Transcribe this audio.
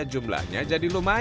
dan jumlahnya jadi lumayan